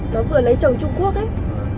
nó vừa lấy chồng trung quốc